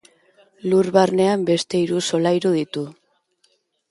Lur barnean beste hiru solairu ditu.